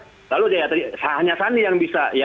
lalu ya tadi hanya sandi yang bisa